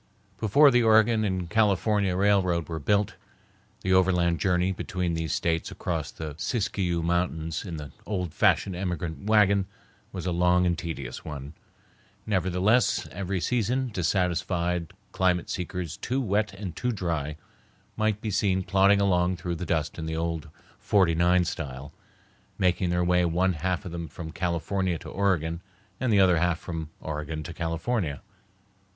Before the Oregon and California railroad was built, the overland journey between these States across the Siskiyou Mountains in the old fashioned emigrant wagon was a long and tedious one. Nevertheless, every season dissatisfied climate seekers, too wet and too dry, might be seen plodding along through the dust in the old "49style," making their way one half of them from California to Oregon, the other half from Oregon to California.